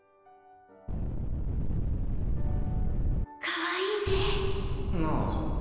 かわいいねああ